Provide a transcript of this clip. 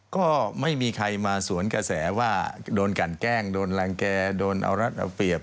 ก็ไม่มีใครมาสวนกระแสว่าโดนกันแกล้งโดนรังแก่โดนเอารัดเอาเปรียบ